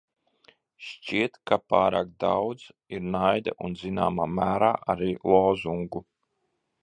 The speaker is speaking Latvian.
Šķiet, ka pārāk daudz ir naida un zināmā mērā arī lozungu.